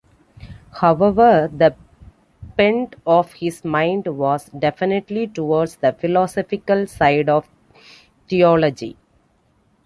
However, the bent of his mind was definitely towards the philosophical side of theology.